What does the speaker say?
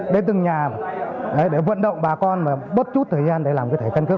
đến từng nhà để vận động bà con bớt chút thời gian để làm thẻ căn cứ